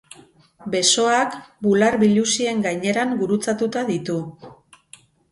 Besoak, bular biluzien gaineran gurutzatuta ditu.